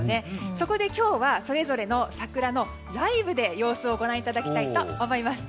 そこで今日は、それぞれの桜をライブで様子をご覧いただきたいと思います。